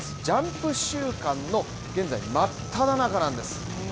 ジャンプ週間の現在真っただ中なんです。